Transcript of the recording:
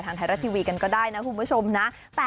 ไทยรัฐทีวีกันก็ได้นะคุณผู้ชมนะ